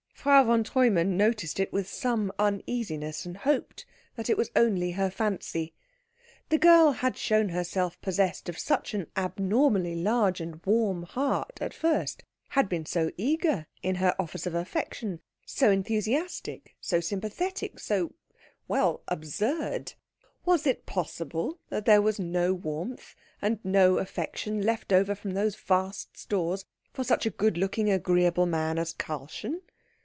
Frau von Treumann noticed it with some uneasiness, and hoped that it was only her fancy. The girl had shown herself possessed of such an abnormally large and warm heart at first, had been so eager in her offers of affection, so enthusiastic, so sympathetic, so well, absurd; was it possible that there was no warmth and no affection left over from those vast stores for such a good looking, agreeable man as Karlchen?